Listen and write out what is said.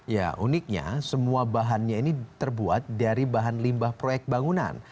ya uniknya semua bahannya ini terbuat dari bahan limbah proyek bangunan